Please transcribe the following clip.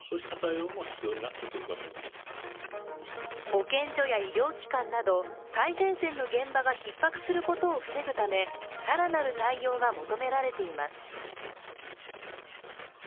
保健所や医療機関など最前線の現場がひっ迫することを防ぐため更なる対応が求められています。